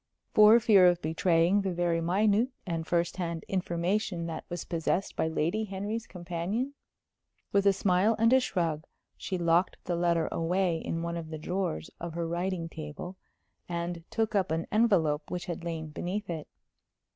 For fear of betraying the very minute and first hand information that was possessed by Lady Henry's companion? With a smile and a shrug she locked the letter away in one of the drawers of her writing table, and took up an envelope which had lain beneath it.